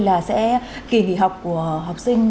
là sẽ kỳ nghỉ học của học sinh